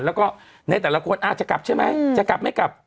แล้วก็ในแต่ละคนอาจจะกลับใช่ไหมจะกลับไม่กลับ